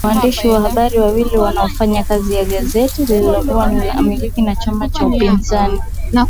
waandishi wa habari wawili wanaofanya kazi ya gazeti linanomilikiwa na chama cha upinzani